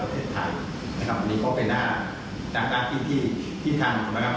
ประเทศไทยนะครับวันนี้เขาไปหน้าดังการที่ที่ที่ทางนะครับ